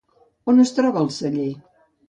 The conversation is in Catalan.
On es troba el celler?